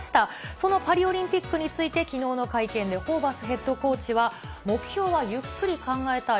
そのパリオリンピックについて、きのうの会見で、ホーバスヘッドコーチは、目標はゆっくり考えたい。